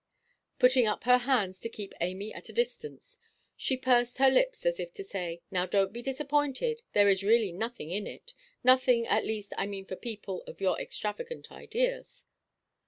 Putting up her hands to keep Amy at a distance, she pursed her lips, as if to say, "Now donʼt be disappointed; there is really nothing in it. Nothing, at least, I mean for people of your extravagant ideas."